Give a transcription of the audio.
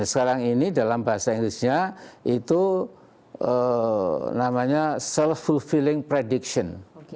nah sekarang ini dalam bahasa inggrisnya itu namanya self fulfilling prediction